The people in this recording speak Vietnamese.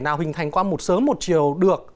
nào hình thành qua một sớm một chiều được